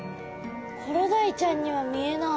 コロダイちゃんには見えない。